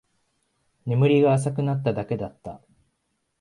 眠りが浅くなっただけだった